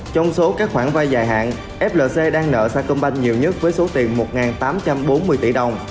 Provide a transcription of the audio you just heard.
trong số các khoản vay dài hạn flc đang nợ sacombank nhiều nhất với số tiền một tám trăm bốn mươi tỷ đồng